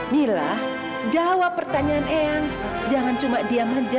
mila jawab pertanyaan eyang jangan cuma diam aja